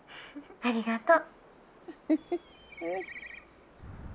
ありがとう。